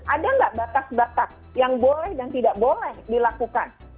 ada nggak batas batas yang boleh dan tidak boleh dilakukan